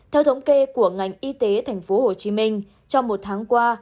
theo thống kê của ngành y tế thành phố hồ chí minh trong một tháng qua